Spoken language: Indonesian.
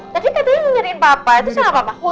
tadi katanya ngeri papa itu siapa papa